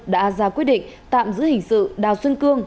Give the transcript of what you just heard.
đã ra quyết định tạm giữ hình sự đào xuân cương